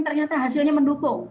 ternyata hasilnya mendukung